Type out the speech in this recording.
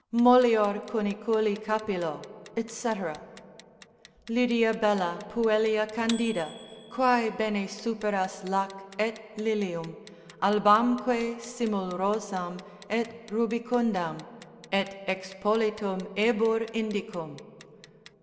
—Mollior cuniculi capillo, &c. Lydia bella, puelia candida, Quae bene superas lac, et lilium, Albamque simul rosam et rubicundam, Et expolitum ebur Indicum.